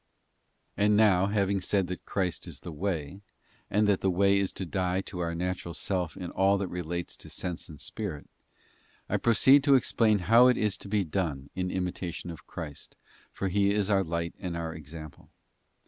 And now, having said that Christ is the way, and that the way is to die to our natural self in all that relates to sense and spirit, I proceed to explain how it is to be done in imitation of Christ, for He is our light and our example.